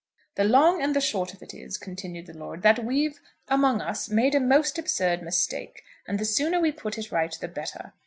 "The long and the short of it is," continued the lord, "that we've, among us, made a most absurd mistake, and the sooner we put it right the better.